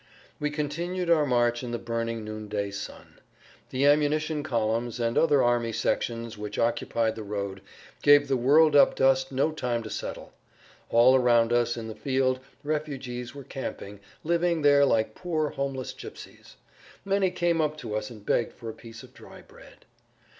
We continued our march in the burning noon day sun. The ammunition columns and other army sections which occupied the road gave the whirled up dust no time to settle. All around us in the field refugees were camping, living there like poor, homeless gypsies. Many came up to us and begged for a piece of dry bread.